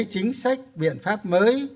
chính sách biện pháp mới